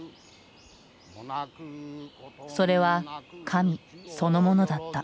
それは神そのものだった。